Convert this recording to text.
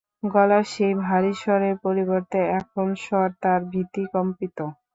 গলার সেই ভারি স্বরের পরিবর্তে এখন স্বর তার ভীতিকম্পিত।